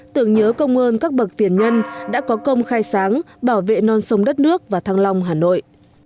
tưởng nhớ công ơn các bậc tiền nhân đã có công khai sáng bảo vệ non sông đất nước và thăng long hà nội